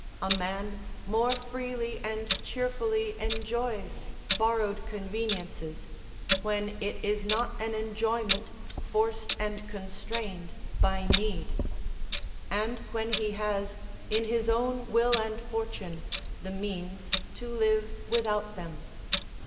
A man more freely and cheerfully enjoys borrowed conveniences, when it is not an enjoyment forced and constrained by need; and when he has, in his own will and fortune, the means to live without them.